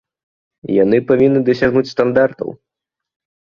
Яны павінны дасягнуць стандартаў.